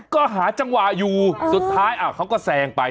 ก็หาจังหวะอยู่สุดท้ายเขาก็แซงไป